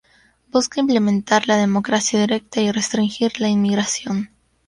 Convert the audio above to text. Busca implementar la democracia directa y restringir la inmigración.